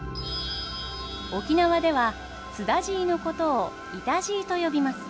沖縄ではスダジイのことをイタジイと呼びます。